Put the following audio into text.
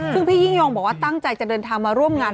ซึ่งพี่ยิ่งยงบอกว่าตั้งใจจะเดินทางมาร่วมงาน